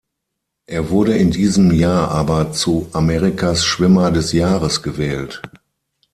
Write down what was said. Er wurde in diesem Jahr aber zu Amerikas Schwimmer des Jahres gewählt.